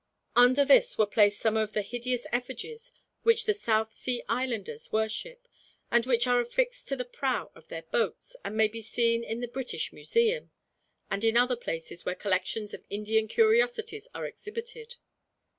Under this were placed some of the hideous effigies which the South Sea Islanders worship, and which are affixed to the prow of their boats; and may be seen in the British Museum, and in other places where collections of Indian curiosities are exhibited.